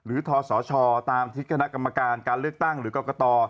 ทศชตามที่คณะกรรมการการเลือกตั้งหรือกรกต